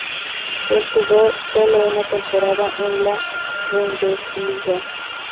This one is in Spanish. Él jugó sólo una temporada en la Bundesliga.